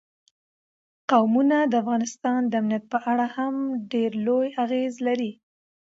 قومونه د افغانستان د امنیت په اړه هم ډېر لوی اغېز لري.